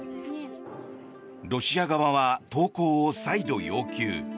ロシア側は投降を再度要求。